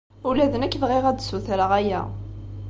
Ula d nekk bɣiɣ ad d-ssutreɣ aya.